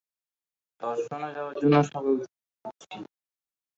দর্শনে যাওয়ার জন্য সকাল থেকে খুঁজছি।